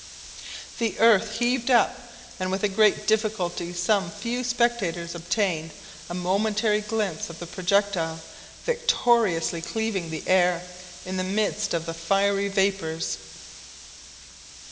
The earth heaved up, and with great difficulty some few spectators obtained a momentary glimpse of the projectile victoriously cleaving the air in the midst of the fiery vapors!